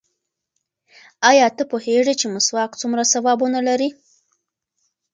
ایا ته پوهېږې چې مسواک څومره ثوابونه لري؟